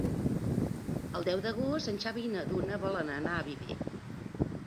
El deu d'agost en Xavi i na Duna volen anar a Viver.